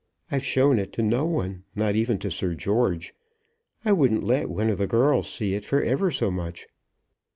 I've shown it to no one, not even to Sir George. I wouldn't let one of the girls see it for ever so much."